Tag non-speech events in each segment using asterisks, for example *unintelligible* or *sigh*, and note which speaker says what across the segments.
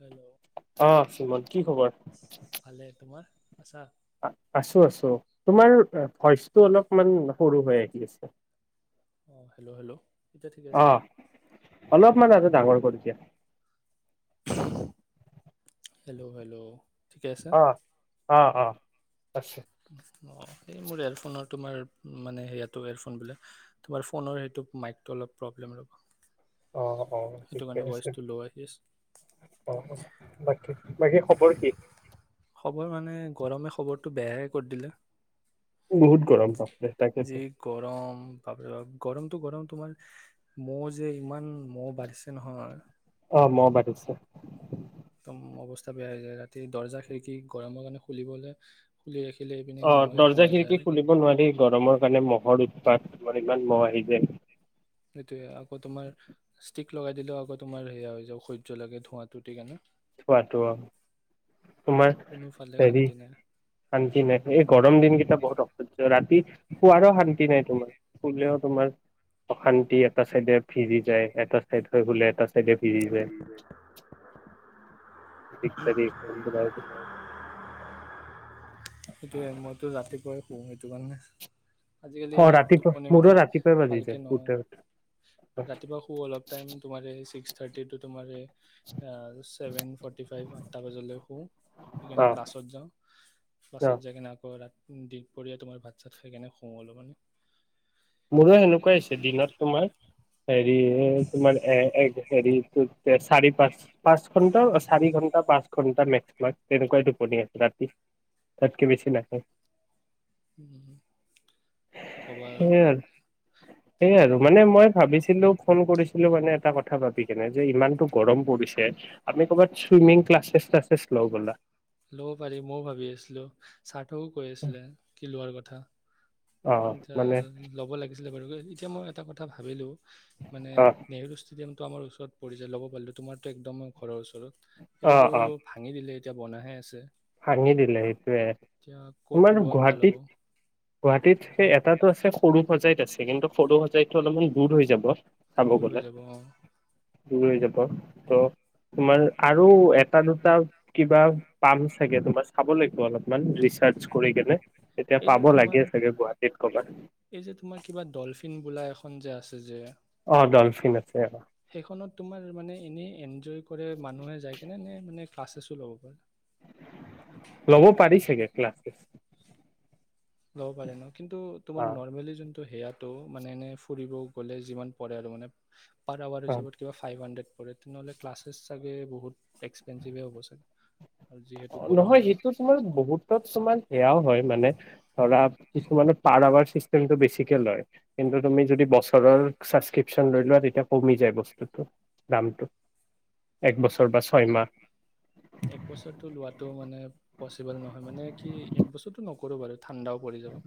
Speaker 1: Hello
Speaker 2: আহ শ্ৰীমন কি খবৰ।
Speaker 1: ভালে তোমাৰ আছা
Speaker 2: আছোঁ আছোঁ তোমাৰ ভইচটো অলপমান সৰু হৈ আহি আছে।
Speaker 1: অ হেল্ল' হেল্ল' এতিয়া ঠিকে আছে
Speaker 2: অহ অলপমান আৰু ডাঙৰ কৰি দিয়া।
Speaker 1: হেল্ল' হেল্ল' ঠিকে আছে
Speaker 2: অ অ অ আছো
Speaker 1: অ এই মোৰ এয়াৰফোনৰ তোমাৰ মানে সেয়াটো এয়াৰফোন বোলে তোমাৰ ফোনৰ সেইটো মাইকটো অলপ প্ৰব্লেম ৰ'ব।
Speaker 2: অ', অ
Speaker 1: সেইটো
Speaker 2: ঠিকে
Speaker 1: কাৰণে
Speaker 2: আছে
Speaker 1: ভইচটো ল' আহি আছে
Speaker 2: অ অ বাকী বাকী খবৰ কি।
Speaker 1: খবৰ মানে গৰমে খবৰটো বেয়াই কৰি দিলে
Speaker 2: বহুত গৰম বাপৰে
Speaker 1: যি
Speaker 2: তাকেতো
Speaker 1: গৰম বাপ ৰে বাপ গৰমটো গৰম। তোমাৰ মহ যে ইমান মহ বাঢ়ি
Speaker 2: অ মহ বাঢ়িছে
Speaker 1: একদম অৱস্থা বেয়া হৈ যায় ৰাতি দৰ্জা খিৰিকী গৰমৰ কাৰণে খুলিবলৈ খুলি। ৰাখিলে এইপিনে
Speaker 2: অ
Speaker 1: মহে
Speaker 2: দৰ্জা
Speaker 1: সোমাই যায়
Speaker 2: খিৰিকি
Speaker 1: আৰু
Speaker 2: খুলিব নোৱাৰি গৰমৰ কাৰণে মহ'ৰ উৎপাত। আৰু ইমান ম আহি যায়।
Speaker 1: সেইটো য়ে আক, তোমাৰ ষ্টিক লগাই দিলেও আকৌ তোমাৰ সেয়া হৈ যাব অসহ্য লাগে ধোঁৱাটো সেইকাৰণে।
Speaker 2: থোৱাটো অ। তোমাৰ
Speaker 1: কোনোফালে
Speaker 2: হেৰি
Speaker 1: শান্তি নাই
Speaker 2: শান্তি নাই, এই গৰম দিন কেইটা বহুত অসহ্য ৰাতি পুৱাৰো শান্তি। শান্তি নাই তোমাৰ শুলেওঁ তোমাৰ অশান্তি এটা চাইডে ভিজি যায় এটা চাইড হৈ শুলে এটা। তাকে ভিজি যাই দিক দাৰি।
Speaker 1: সেইটোয়ে মইতো ৰাতিপুৱাই শুওঁ *unintelligible* *unintelligible* আজিকালি
Speaker 2: অ ৰাতিপুৱা
Speaker 1: টোপনি
Speaker 2: মোৰো
Speaker 1: মানে
Speaker 2: ৰাতিপুৱাই বাজি যায়
Speaker 1: ভালকে নহয়,
Speaker 2: শুতে
Speaker 1: ৰাতিপুৱা শু অলপ টাইম তোমাৰ। থাৰটি টু তোমাৰে। ছেভেন ফৰ্টি ফাইভ আঠটা বজালৈ শু, শুই
Speaker 2: অ
Speaker 1: কেনে ক্লাছত যাওঁ,
Speaker 2: অ
Speaker 1: ক্লাছত যাই কিনে আকৌ ৰা দিনপৰীয়া তোমাৰ ভাত চাত খাই কেনে শু অল মান
Speaker 2: মোৰো সেনেকুৱাই হৈছে দিনত তোমাৰ। হেৰি তোমাৰ এ হেৰি চাৰি পাঁচ পাঁচ ঘন্টা চাৰি ঘন্টা পাঁচ ঘন্টা মেক্সিমাম তেনেকুৱা টোপনি আহে, ৰাতি তাতকে বেছি নাহে।
Speaker 1: উ কি কবা।
Speaker 2: সেই আৰু সেয়ে
Speaker 1: এতিয়া
Speaker 2: আৰু মানে মই ভাবিছিলো ফোন কৰিছিলো। মানে এটা কথা ভাবি কেনে যে ইমানতটো গৰম পৰিছে আমি কবাত।
Speaker 1: লব পাৰি মইও ভাবি আছিলো। থও কৈ আছিলে কি লোৱাৰ ক। থা।
Speaker 2: অঁ অঁ মানে।
Speaker 1: এতিয়া মই এটা কথা ভাবিলোঁ। মানে
Speaker 2: অ
Speaker 1: নেহেৰু ষ্টেডিয়াম। ত আমাৰ ওচৰত পৰিছে লব পাৰলো তোমাৰ টো একডম ঘৰৰ ওচৰতে। ল সেইটোত
Speaker 2: অ', অ',
Speaker 1: ভাঙি দিলে। এতিয়া বনাইহে আছে।
Speaker 2: ভাঙি দিলে সেইটোৱে আৰু
Speaker 1: এতিয়া ক'ত
Speaker 2: তোমাৰ
Speaker 1: লোৱা ভাল হ'ব
Speaker 2: গুৱাহাটীত গুৱা। তিত হে এটাতো আছে সৰু। সজাইত আছে কিন্তু সৰু সজাইতো অলপমান দূৰ হৈ যাব। চাব
Speaker 1: দূৰ
Speaker 2: গ'লে
Speaker 1: হৈ যাব অঁ।
Speaker 2: দূৰ হৈ যাব ত তোমাৰ আৰু এটা দুটা কিবা পাম। এতিয়া তোমাৰ চাব লাগিব অলপমান ৰিৰ্চাজ কৰি কেনে। তেতিয়া
Speaker 1: এই যে
Speaker 2: পাব
Speaker 1: তোমাৰ
Speaker 2: লাগে চাগে গুৱাহাটীত ক'বাত।
Speaker 1: এই যে তোমাৰ কিবা ডলফিন বোলা এখন যে আছে যে,
Speaker 2: অঁ ডলফিন আছে।
Speaker 1: সেইখনত তোমাৰ মানে এনে এনজয়, কৰে মানুহে যায় কেনে মানে, ক্লাছছো ল'ব পাৰে।
Speaker 2: লব পাৰি চাগে ক্লাছেছ।
Speaker 1: ল'ব পাৰে ন কিন্তু তোমাৰ
Speaker 2: অ',
Speaker 1: নৰ্মেলি যোনটো। সেয়াতো মানে এনে ফুৰিব গ'লে যিমান পৰে আৰু মানে। পাৰ আৱাৰৰ
Speaker 2: অ'।
Speaker 1: হিচাপত কিবা ফাইভহাণ্ড্ৰেড। কৰে তেনেহ'লে ক্লাছেছ চাগে বহুত এক্সপেঞ্চিভে হ'ব চাগে। আৰু যিহেতু
Speaker 2: অ
Speaker 1: গৰম
Speaker 2: নহয়
Speaker 1: দিন
Speaker 2: সেইটো তোমাৰ বহুতত তোমাৰ সেয়াও হয় মানে। ধৰা কিছুমানত পাৰ আৱাৰ চিষ্টেমটো বেছিকে লয় কিন্তু তুমি যদি বছৰৰ সাবকৃপচন লৈ লোৱা তেতিয়া কমি যায় বস্তুটো দামটো একবছৰ বা ছয়মাহ।
Speaker 1: এক বছৰটো লোৱাটো মানে পচিবল নহয় মানে কি এক বছৰটো নকৰো বাৰু। ঠাণ্ডাও পৰি যাব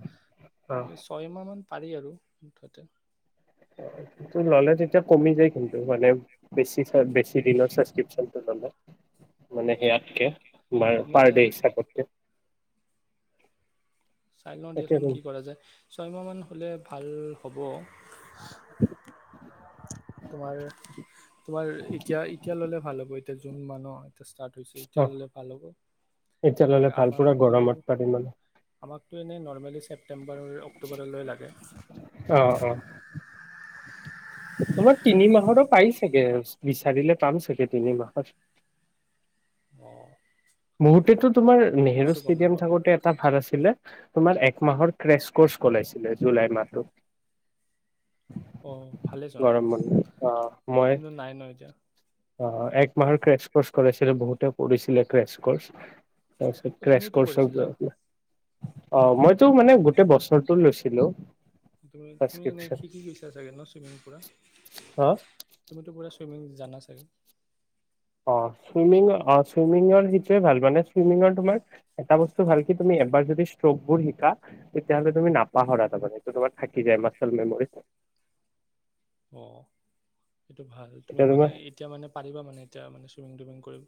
Speaker 1: এই ছয় মাহ মান পাৰি আৰু মুঠতে
Speaker 2: স ললে তেতিয়া কমি যায় কিন্তু মানে বেছি ল বেছি দিনত ছাবক্ৰিপন ললে মানে সেয়াতকে নাই
Speaker 1: কমি
Speaker 2: পাৰ ডে
Speaker 1: যায়
Speaker 2: হিচাপটকে
Speaker 1: চাই লওঁ
Speaker 2: তাকে
Speaker 1: দিয়াচোন
Speaker 2: আৰু
Speaker 1: কি কৰা যায় ছয়মাহমান হ'লে ভাল হ'ব তোমাৰ তোমাৰ এতিয়া এতিয়া ললে ভাল হ'ব এতিয়া যোন মানুহ ষ্টাৰ্ট হৈছে এতিয়া
Speaker 2: অ
Speaker 1: ল'লে ভাল হ'ব
Speaker 2: এতিয়া ল'লে
Speaker 1: তোমাৰ
Speaker 2: ভাল পুৰা
Speaker 1: আমাকতো
Speaker 2: গৰমত পাৰিম মানে
Speaker 1: ত এনেই নৰ্মেল হিচাপ ছেটেম্বৰৰ অক্টোবৰলৈ লাগে
Speaker 2: অ তোমাক তিনি মাহৰো পাই চাগে বিচাৰিলে পাম চাগে তিনি মাহৰ
Speaker 1: অ
Speaker 2: বহুতেটো তোমাৰ নেহেৰু ষ্টেদিয়াম
Speaker 1: নাপাওঁ দেই
Speaker 2: থাকোঁতে এটা ভাল আছিলে এক মাহৰ ক্ৰেছ ক'ৰ্ছ কলাইছিলে জুলাই মাহটোত
Speaker 1: অঁ ভালেচোন
Speaker 2: গৰম মান আহ মই
Speaker 1: কিন্তু নাই ন এতিয়া
Speaker 2: আহ একমাহৰ ক্ৰেছ কলেজ বহুতে পঢ়িছিলে কেছ কৰ্চ তাৰপিছত
Speaker 1: অঁ
Speaker 2: ক্ৰেচ
Speaker 1: তুমিতো
Speaker 2: ক্ৰছ
Speaker 1: কৰিছিলা
Speaker 2: পৰা এতিয়া অ মইতো মানে গোটেই বছৰটো লৈছিলো
Speaker 1: তুমি এনেই
Speaker 2: ছাবস্ক্ৰিপচন
Speaker 1: শিকি গৈছা চাগে ন চুইমিং পুৰা
Speaker 2: অ
Speaker 1: তুমিতো পোৰা চুইমিং জানা চাগে
Speaker 2: অ চুইমিং অ চুইমিংৰ সেইটোৱে ভাল মানে চুইমিংৰ তোমাৰ এটা বস্তু ভাল কি তুমি এবাৰ যদি ষ্ট্ৰকবোৰ শিকা তেতিয়ালে তুমি নাপাহৰা তামানে তোমাৰ থাকি যায় মানে তোমাৰ মাছতাৰ মেমৰী
Speaker 1: অ এইেইটো ভাল তুমি
Speaker 2: এতিয়া তোমাৰ
Speaker 1: মানে এতিয়া মানে পাৰিবা মানে এতিয়া মানে চুইমিং তুইমিং কৰিব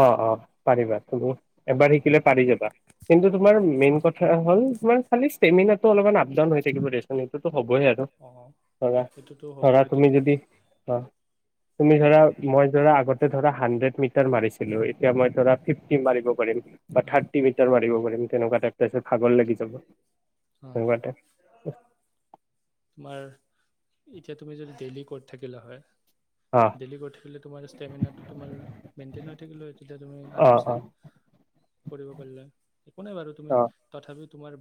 Speaker 2: অ অ পাৰিবা তুমি এবাৰ সি কিলে পাৰি যাবা কিন্তু তোমাৰ মেইন কথা হ'ল তোমাৰ খালি ষ্টেমিনা টো আপ ডাউন আপ ডাউন হৈ থাকিব দে চুন সেইটোতো হ'বই আৰু
Speaker 1: অঁ
Speaker 2: ধৰা
Speaker 1: সেইটোতো হ'ব
Speaker 2: ধৰা
Speaker 1: সেইটো
Speaker 2: তুমি যদি অ তুমি ধৰা
Speaker 1: কোৱা
Speaker 2: মই ধৰা আগতে ধৰা সানড্ৰেদ মিটাৰ মাৰিছোঁ এতিয়া মই ধৰা ফিফটি মাৰিব পাৰিম বা
Speaker 1: অঁ
Speaker 2: থাৰ্টি মিটাৰ মাৰিব পাৰিম তেনেকুৱা এটা তাৰ পিছত ভাগৰ লাগি যাব
Speaker 1: অঁ
Speaker 2: তেনেকুৱা টাইপ
Speaker 1: তোমাৰ এতিয়া তুমি যদি ডেইলি কত থাকিলা হয়?
Speaker 2: অ
Speaker 1: ডেলি কৰি থাকিলে তোমাৰ ষ্টেমিনাটো তোমাৰ মেইনটেইন হৈ থাকিলে তেতিয়া তুমি
Speaker 2: অ
Speaker 1: আৰাম
Speaker 2: অ
Speaker 1: কৰিব পাৰিলা একো নাই বাৰু তুমি
Speaker 2: অ
Speaker 1: তথাপিও? তোমাৰ?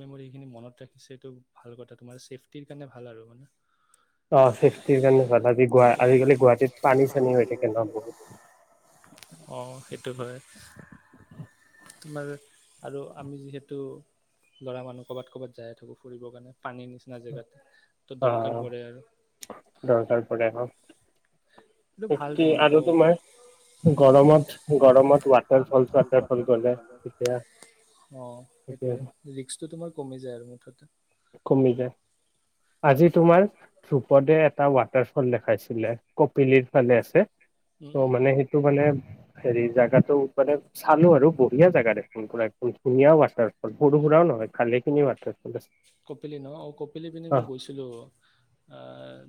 Speaker 1: মেমৰি এইখিনি মনত ৰাখিছে এইটো ভাল কথা তোমাৰ চেফটিৰ কাৰণে ভাল আৰু মানে।
Speaker 2: অঁ চেফটিৰ কাৰণে ভাল
Speaker 1: এতিয়া
Speaker 2: আজিকালি গুৱাহাটীত পানী চানী হৈ থাকে ন বহুত?
Speaker 1: অ সেইটো হয় তোমাৰ আৰু আমি যিহেতু। ল'ৰা মানুহ ক'বাত কৰবাত যাই থাকো ফুৰিবৰ কাৰণে পানীৰ নিচিনা জেগাত। ত' দৰকাৰ
Speaker 2: অঁ
Speaker 1: পৰে আৰু
Speaker 2: দৰকাৰ পৰিছেঁ?
Speaker 1: ভাল তোমাৰ গল অঁ
Speaker 2: গৰমত গৰমত ৱাটাৰফল চোৱাটাৰফল গ'লে তেতিয়া তেতিয়া
Speaker 1: ৰিক্সতো তোমাৰ কমি যায় তাতে।
Speaker 2: কমিলে আজি তোমাৰ ধ্ৰুপদে এটা ৱাটাৰফল দেখাইছিলে কপিলিৰ ফালে আছে।
Speaker 1: উম
Speaker 2: ত'
Speaker 1: উম
Speaker 2: মানে সেইটো মানে। হেৰি জেগাটো মানে চালো আৰু বঢ়িয়া জেগা দেখোন ধুনীয়া ৱাটাৰফল সৰু সুৰাও নহয় খালি খিনি ৱাটাৰফল আছে?
Speaker 1: কপিলি ন অঁ কপিলি পিনি মই
Speaker 2: অহ
Speaker 1: গৈছিলোঁ? অঁ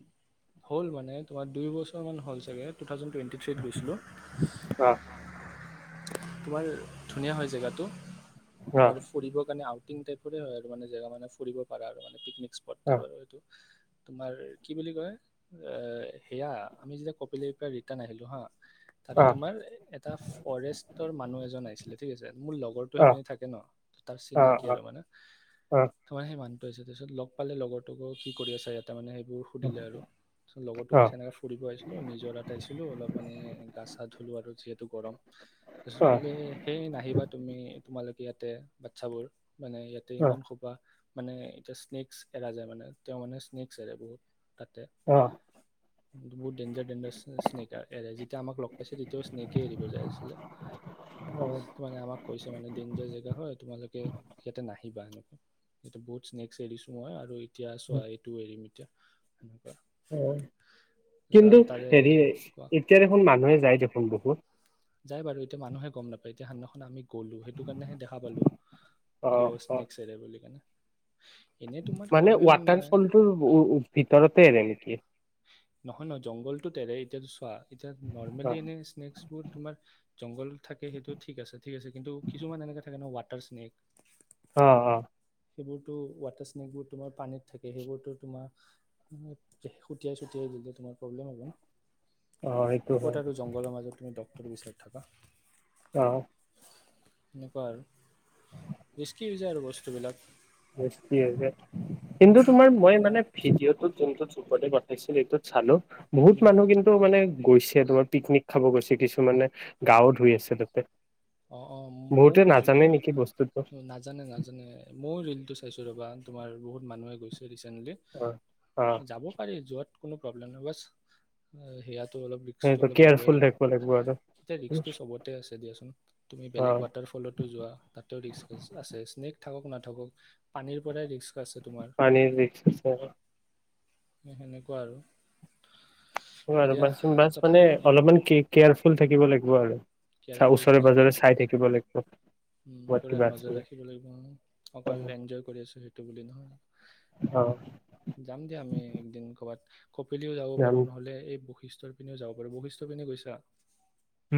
Speaker 1: হ'ল মানে তোমাৰ দুই বছৰ মান হ'ল চাগে। থাউজেণ্ড টুৱেণ্টি থ্ৰীত গৈছিলোঁ?
Speaker 2: অহ
Speaker 1: তোমাৰ ধুনীয়া হয় জেগাতটো তোমাৰ ফুৰিবৰ কাৰণে আ। তিনিটাকে হয় আৰু মানে জাগাতো মানে। কৰিব পাৰে আৰু মানে পিকনিক। স্পট টাপৰ হয় বাৰু এইটো। তোমাৰ কি বুলি কয় এ সেয়া আমি যেতিয়া কপিলি পৰা ৰিটাৰ্ণ আহিলো হাঁ। তাতে
Speaker 2: অহ অহ
Speaker 1: তোমাৰ এটা ফৰেষ্টৰ মানুহ এজন আহিছিলে ঠিক আছে মোৰ লগৰটো
Speaker 2: অহ
Speaker 1: সেইপিনি থাকে ন তাৰ চিনাকি
Speaker 2: অহ
Speaker 1: আৰু মানে।
Speaker 2: অহ অহ অহ
Speaker 1: সেই মানটো আছে তাৰ পিছত লগ পালে লগৰ তোক কি কৰি আছে ইয়াতে মানে? সেইবোৰ সুধিলে আৰু তাৰপাছত লগতো কৈছে এনেকৈ ফুৰিব আহিছিলোঁ নিজৰা ত আছিলো অলপ মানে গা চা ধুলোঁ আৰু যিহেতু? ইয়াতো গৰম। তাৰপিছত
Speaker 2: অহ
Speaker 1: কলে সেই নাহিবা তুমি তোমালোকে ইয়াত? বাচ্ছাবোৰ? মানে ইয়াতে ইমান চোকা। মানে এতিয়া স্নেক্ছ এৰা যায় মানে তেওঁ মানে স্নেকছ এৰে বহুত। তাতে
Speaker 2: অহ অহ
Speaker 1: বহুত ডেঞ্জাৰ ডেঞ্জাৰ স্নেকাৰ এৰে যেতিয়া আমাক লগ পাইছে তেতিয়াও স্নেকে এৰিব যায় আছিলে ত মানে আমাক কৈছে মানে ডেঞ্জাৰ জেগা হয় তোমালোকে ইয়াতে নাহিবানো? এতিয়া বহুত স্নেক্স এৰি দিছো মই আৰু। এতিয়া চোৱা এইটো এৰিম। এতিয়া
Speaker 2: অ
Speaker 1: তাৰপিছত
Speaker 2: কিন্তু
Speaker 1: আৰু তাৰে
Speaker 2: হেৰি
Speaker 1: কোৱা
Speaker 2: এতিয়া দেখোন মানুহে যায় দেখোন বহুত।
Speaker 1: যাই বাৰু এতিয়া মানুহে গম নাপায় এতিয়া সেইদিনাখন আমি, গ'লো সেইটো কাৰণেহে দেখা পালো।
Speaker 2: অ
Speaker 1: কিয়
Speaker 2: অ
Speaker 1: স্নেক এৰে বুলি কানে
Speaker 2: মানে ৱাটাৰ
Speaker 1: নাই
Speaker 2: ফলটোৰ ভিতৰতে এৰে নেকি?
Speaker 1: এতিয়াটো চোৱা। এতিয়া নৰ্মেলি এনে স্নেক বোৰ জংঘল থাকে সেইটো ঠিক আছে, ঠিক আছে কিন্তু কিছুমান এনেকে থাকে ন ৱাটাৰ স্নেক।
Speaker 2: অ অ
Speaker 1: সেইবোৰতো ৱাটাৰ স্নেকবোৰ তোমাৰ পানীত থাকে সেইবোৰতো তোমাৰ সুটিয়াই চুটিয়াই দিলে তোমাৰ প্ৰব্লেম হ'ব।
Speaker 2: সেইটো হয়
Speaker 1: ক'ত আছ জংঘলৰ মাজত তুমি বিছ লাখ টকা।
Speaker 2: অহ
Speaker 1: এনেকুৱা আৰু ৰিছকি হৈছে আৰু বস্তুবিলাক
Speaker 2: বেছি আছে *unintelligible* কিন্তু তোমাৰ মই
Speaker 1: এতিয়া
Speaker 2: মানে ভিডিঅ' টোত যোনটোত উতপলে পঠাইছিল এইটোত চালো। বহুত মানুহ কিন্তু মানে গৈছে তোমাৰ পিকনিক খাব গৈছে কিছুমানে, গাও ধুই আছে তাতে
Speaker 1: অ অ মইও
Speaker 2: বহুতে
Speaker 1: গৈছিলো
Speaker 2: নাজানে নেকি বস্তুটো
Speaker 1: নাজানো নাজানো মইও টো চাইছো ৰবা তোমাৰ বহুত মানুহে গৈছে। ৰেছেণ্টলী
Speaker 2: অ'। অ',
Speaker 1: যাব পাৰি যোৱাত কোনো প্ৰব্লেম নাই বছ সিয়াত অলপ ৰিস্কটো
Speaker 2: সেইটো
Speaker 1: অলপ ল'বই
Speaker 2: কেয়াৰফুল
Speaker 1: লাগিব।
Speaker 2: থাকিব আৰু
Speaker 1: এতিয়া ৰিস্ক টো চবতে আছে দিয়াচোন। বেলেগ
Speaker 2: অ',
Speaker 1: ৱাটাৰফলতো যোৱা তাতেও ৰিক্ আছে স্নেক? থাকক নাথাকক, পানীৰ পৰাই ৰিস্ক আছে তোমাৰ
Speaker 2: পানীৰ ৰিস্ক আছে
Speaker 1: সেনেকুৱা আৰু এতিয়া
Speaker 2: মানে
Speaker 1: তথাপিও
Speaker 2: অলপমান কেয়াৰফুল থাকিব লাগিব আৰু চাও
Speaker 1: কেয়াৰফুল
Speaker 2: ওচৰে
Speaker 1: থাকিব লাগিব
Speaker 2: পাজৰে চাই থাকিব লাগিব।
Speaker 1: উম
Speaker 2: ক'ৰবাত
Speaker 1: পুৰা
Speaker 2: কিবা আছে
Speaker 1: নজৰ ৰাখিব লাগিব। অকল
Speaker 2: নেকি।
Speaker 1: এনজয় কৰি আছো সেইটো বুলি
Speaker 2: অ'
Speaker 1: নহয়। যাম দিয়া আমি একদিন কব প কঁপিলিও যাব
Speaker 2: যাম
Speaker 1: পাৰো নহ'লে এই বশিষ্টৰ পিনেও যাব পাৰো বশিষ্টৰ পিনে গৈছা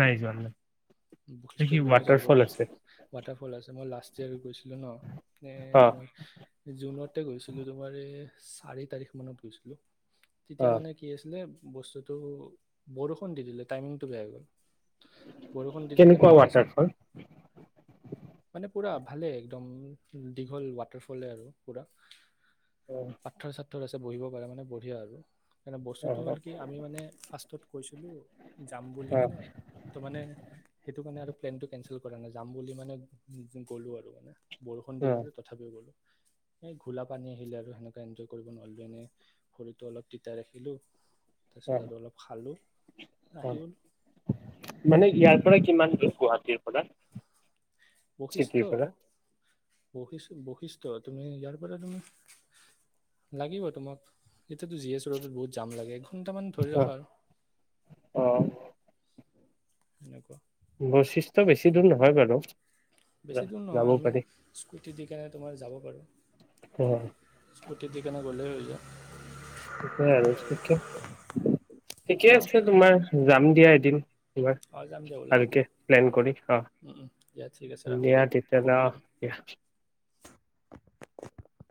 Speaker 2: নাই যোৱা নাই ন
Speaker 1: বশিষ্ঠৰ
Speaker 2: কি
Speaker 1: পিনেও যাব
Speaker 2: ৱাটাৰ
Speaker 1: পাৰো
Speaker 2: ফল আছে। *unintelligible*
Speaker 1: ৱাটাৰফল আছে, মই লাষ্ট ইয়েৰ গৈছিলো ন এ
Speaker 2: অ'
Speaker 1: তোমাৰ। জুনতে গৈছিলোঁ তোমাৰ এই চাৰি তাৰিখ মানত গৈছিলোঁ। তেতিয়া
Speaker 2: অ'
Speaker 1: মানে কি আছিলে। বস্তুটো বৰষুণ দি দিলে টাইমিংটো বেয়া হৈ গ'ল। বৰষুণ দি দিলে
Speaker 2: কেনেকুৱা
Speaker 1: ন
Speaker 2: ৱাটাৰফল
Speaker 1: তাৰছিত। মানে পুৰা ভালে, একদম দীঘল ৱাটাৰফলে আৰু পুৰা।
Speaker 2: অ'
Speaker 1: পাঠৰ চাথৰ। আছে বহিব পাৰে মানে বঢ়িয়া আৰু। সেইকাৰে বস্তুটো
Speaker 2: অ'
Speaker 1: হ'ল কি আমি মানে ফাৰ্ষ্টত। কৈছিলো যাম বুলি
Speaker 2: অ'
Speaker 1: কেনে ত মানে সেইটো কাৰণে আৰু। প্লেন টো কেনচেল কৰা নযায়' যাম বুলি মানে গ'লো আৰু মানে। বৰষুণ দি
Speaker 2: অ'
Speaker 1: আছিলে তথাপিও গ'লো। এই ঘোলা পানী আহিলে আৰু সেনেকুৱে এনজয় কৰিব নোৱাৰিলো এনে শৰীৰটো অলপ তিতাই ৰাখিলো *unintelligible*
Speaker 2: অ
Speaker 1: তাৰপিছত আৰু অলপ খালোঁ।
Speaker 2: অ
Speaker 1: আহি গ'লোঁ
Speaker 2: মানে
Speaker 1: সেয়া
Speaker 2: ইয়াৰ পৰা কিমান দূৰ, গুৱাহাটীৰ পৰা।
Speaker 1: বখিষ্ট।
Speaker 2: চিটিৰ পৰা
Speaker 1: বৈশি বৈশিষ্টয় তুমি ইয়াৰ পৰা তুমি লাগিব তোমাক এতিয়াতো জি এচ ৰত বহুত জাম লাগে। ঘণ্টামান ধৰি
Speaker 2: অ'
Speaker 1: ৰাখা আৰু।
Speaker 2: অ'
Speaker 1: এনেকুৱা।
Speaker 2: বশিষ্ঠ বেছি দূৰ নহয় বাৰু?
Speaker 1: বেছি দূৰ
Speaker 2: যাব
Speaker 1: নহয় আমি
Speaker 2: পাৰি
Speaker 1: স্কুটি দি কেনে তোমাৰ যাব পাৰোঁ।
Speaker 2: অ'
Speaker 1: স্কুটি দি কেনে গ'লেই হৈ যায়।
Speaker 2: ঠিকেই
Speaker 1: হা
Speaker 2: আছে তোমাৰ। যাম দিয়া, এদিন।
Speaker 1: অঁ যাম দিয়া ওলাম দিয়া
Speaker 2: ভালকে প্লেন কৰি,
Speaker 1: উম, উম, দিয়া ঠিক আছে
Speaker 2: অঁ
Speaker 1: ৰাখোঁ
Speaker 2: দিয়া তেতিয়াহ'লে অঁ দিয়া।
Speaker 1: *inaudible*